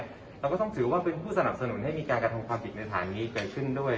เราก็ต้องถือว่าเป็นผู้สนับสนุนให้มีการกระทำความผิดในฐานนี้เกิดขึ้นด้วย